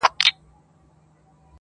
زه چي وګورمه تاته په لرزه سم-